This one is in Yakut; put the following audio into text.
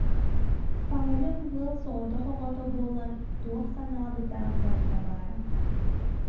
Павел ыал соҕотох оҕото буолан, туох санаабыта барыта баара